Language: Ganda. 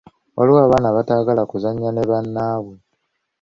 Waliwo abaana abataagala kuzannya ne bannaabwe.